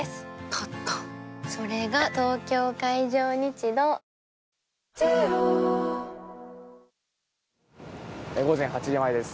立ったそれが東京海上日動午前８時前です。